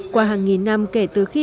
qua hàng nghìn năm kể từ khi